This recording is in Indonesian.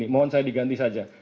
mohon saya diganti saja